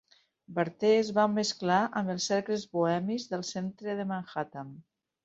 Barthé es va mesclar amb els cercles bohemis del centre de Manhattan.